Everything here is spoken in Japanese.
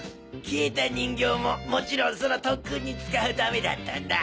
消えた人形ももちろんその特訓に使うためだったんだ。